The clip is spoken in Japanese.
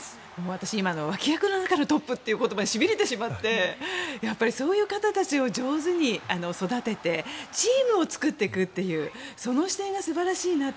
私今、脇役の中のトップという言葉にしびれてしまって上手に育ててチームを作っていくというその姿勢が素晴らしい。